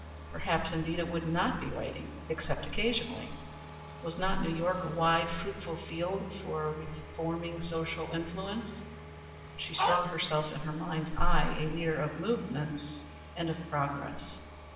Perhaps, indeed, it would not be writing, except occasionally. Was not New York a wide, fruitful field, for a reforming social influence? She saw herself in her mind's eye a leader of movements and of progress.